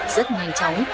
rất nhanh chóng